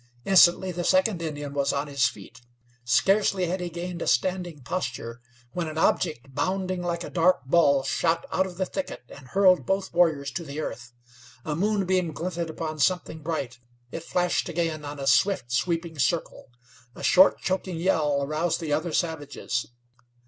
Instantly the second Indian was on his feet. Scarcely had he gained a standing posture when an object, bounding like a dark ball, shot out of the thicket and hurled both warriors to the earth. A moonbeam glinted upon something bright. It flashed again on a swift, sweeping circle. A short, choking yell aroused the other savages.